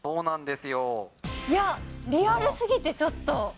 いや、リアルすぎてちょっと。